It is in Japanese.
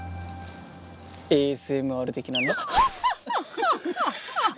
ＡＳＭＲ的なね。